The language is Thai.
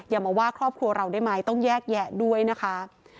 อย่ามาว่าครอบครัวเราได้ไหมต้องแยกแยะด้วยนะคะ